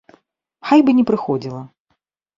Хай бы не прыходзіла.